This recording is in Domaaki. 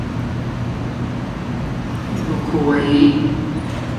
دُو کُھوئئ